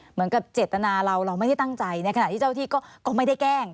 เหมือนกับเจตนาเราเราไม่ได้ตั้งใจในขณะที่เจ้าที่ก็ไม่ได้แกล้ง